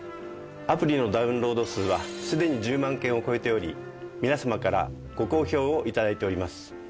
アプリのダウンロード数はすでに１０万件を超えており皆様からご好評を頂いております。